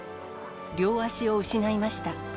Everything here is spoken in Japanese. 両足を失いました。